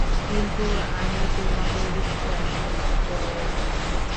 কিন্তু আমি তোমাদের জানি, বয়েজ!